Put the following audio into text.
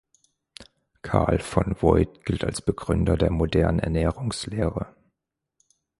Karl von Voit gilt als Begründer der modernen Ernährungslehre.